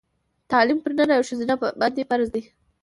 تعلیم پر نر او ښځه باندي فرض دی